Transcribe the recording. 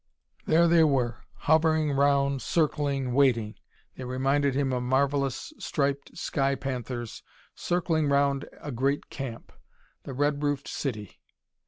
There they were, hovering round, circling, waiting. They reminded him of marvellous striped sky panthers circling round a great camp: the red roofed city.